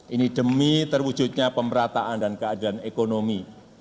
ini demi terwujudnya pemerataan dan keadilan ekonomi